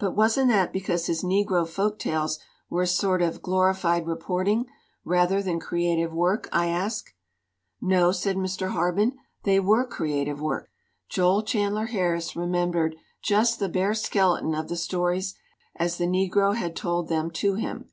"But wasn't that because his negro folk tales were a sort of 'glorified reporting' rather than creative work?" I asked. "No," said Mr. Harben; "they were creative work. Joel Chandler Harris remembered just the bare skeleton of the stories as the negro had told them to him.